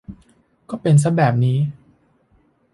ก็เป็นซะแบบนี้